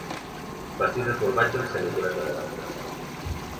Pastís de formatge amb semicurat de Menorca